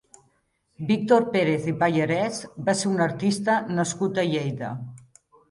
Víctor Pérez i Pallarés va ser un artista nascut a Lleida.